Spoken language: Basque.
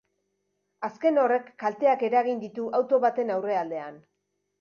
Azken horrek kalteak eragin ditu auto baten aurrealdean.